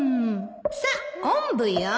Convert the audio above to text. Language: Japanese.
さあおんぶよ